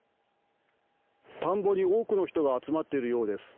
田んぼに多くの人が集まっているようです。